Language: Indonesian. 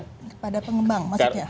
kepada pengembang maksudnya